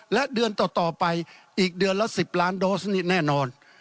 และเดือนต่อไปอีกเดือนละ๑๐ล้านโดสนี่แน่นอน